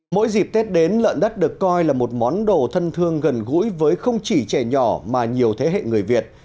mỗi dịp tết đến lợn đất được coi là một món đồ thân thương gần gũi với không chỉ trẻ nhỏ mà nhiều thế hệ người việt